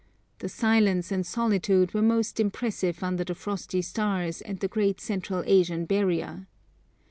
The silence and solitude were most impressive under the frosty stars and the great Central Asian barrier.